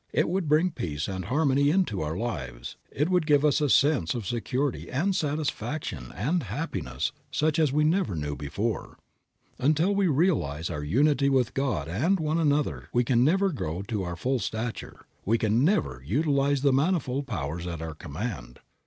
It would bring peace and harmony into our lives. It would give us a sense of security and satisfaction and happiness such as we never before knew. Until we realize our unity with God and one another we can never grow to our full stature; we can never utilize the manifold powers at our command.